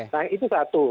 nah itu satu